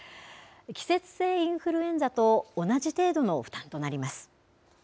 季節性インフルエンザと同じ程度の負担となります。